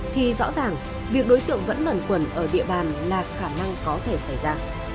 thì rõ ràng việc đối tượng vẫn nẩn quẩn ở địa bàn là khả năng có thể xảy ra